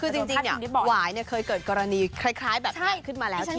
คือจริงเนี่ยหวายเนี่ยเคยเกิดกรณีคล้ายแบบนี้ขึ้นมาแล้วทีนึง